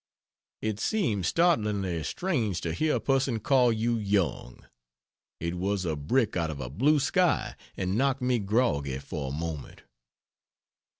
It seemed startlingly strange to hear a person call you young. It was a brick out of a blue sky, and knocked me groggy for a moment.